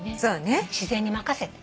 自然に任せて。